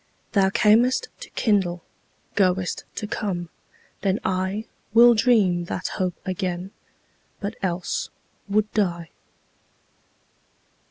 Thou cam'st to kindle, goest to come: then IWill dream that hope again, but else would die.